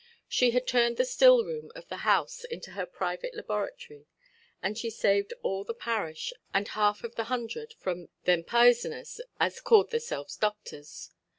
She had turned the still–room of the house into her private laboratory; and she saved all the parish and half of the hundred from "them pisoners, as called theirselves doctors".